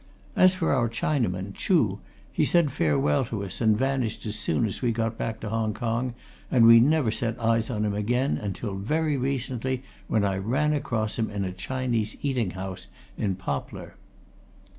As for our Chinaman, Chuh, he said farewell to us and vanished as soon as we got back to Hong Kong, and we never set eyes on him again until very recently, when I ran across him in a Chinese eating house in Poplar."